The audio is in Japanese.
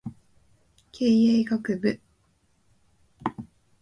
経営学部